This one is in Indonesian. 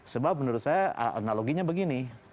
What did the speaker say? sebab menurut saya analoginya begini